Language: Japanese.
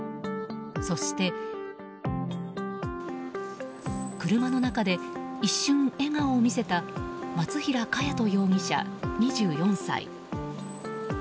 そして、車の中で一瞬笑顔を見せた松平茅土容疑者、２４歳。